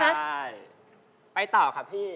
ใช่ไปต่อค่ะพี่